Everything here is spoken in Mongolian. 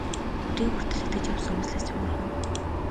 Өдий хүртэл итгэж явсан үзлээсээ ухрах уу?